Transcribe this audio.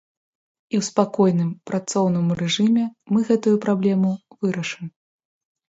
І ў спакойным, працоўным рэжыме мы гэтую праблему вырашым.